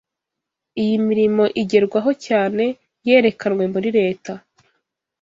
Iyi mirimo igerwaho cyane yerekanwe muri leta